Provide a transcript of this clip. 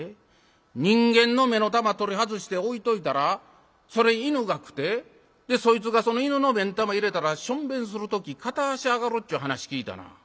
人間の目の玉取り外して置いといたらそれ犬が食うてそいつがその犬の目ん玉入れたらしょんべんする時片足上がるっちゅう噺聴いたな。